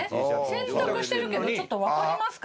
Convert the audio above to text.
洗濯してるけどちょっとわかりますか？